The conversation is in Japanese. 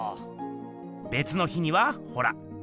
べつの日にはほら。